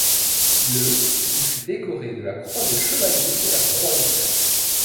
Le il fut décoré de la croix de chevalier de la croix de fer.